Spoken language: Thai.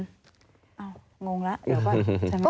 อ้าวงงแล้วหรือว่า